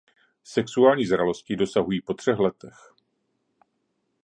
Sexuální zralosti dosahují po třech létech.